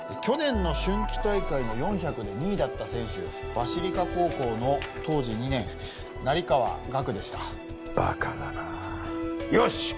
去年の春季大会の４００で２位だった選手バシリカ高校の当時２年成川岳でしたバカだなあよし！